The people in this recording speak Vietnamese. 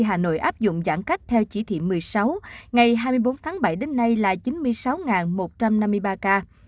hà nội áp dụng giãn cách theo chỉ thị một mươi sáu ngày hai mươi bốn tháng bảy đến nay là chín mươi sáu một trăm năm mươi ba ca